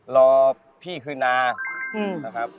รอพี่คืนนานะครับ